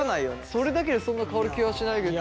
それだけでそんな変わる気はしないけど。